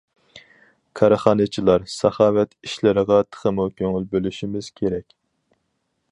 كارخانىچىلار ساخاۋەت ئىشلىرىغا تېخىمۇ كۆڭۈل بۆلۈشىمىز كېرەك.